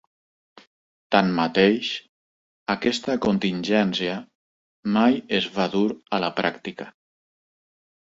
Tanmateix, aquesta contingència mai es va dur a la pràctica.